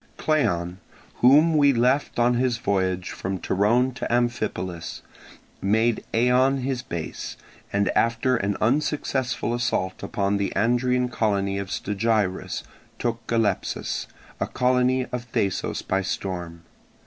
Cleon, whom we left on his voyage from Torone to Amphipolis, made Eion his base, and after an unsuccessful assault upon the Andrian colony of Stagirus, took Galepsus, a colony of Thasos, by storm.